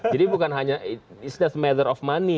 jadi bukan hanya it's just a matter of money